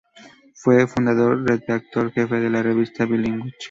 Fue fundador, redactor-jefe de la revista bilingüe.